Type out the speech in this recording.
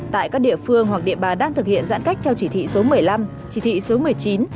tại các địa phương hoặc địa bàn đang thực hiện giãn cách theo chỉ thị số một mươi năm chỉ thị số một mươi chín